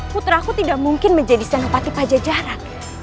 putraku tidak mungkin menjadi senopati pajajaran